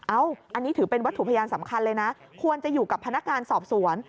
อันนี้ถือเป็นวัตถุพยานสำคัญเลยนะควรจะอยู่กับพนักงานสอบสวน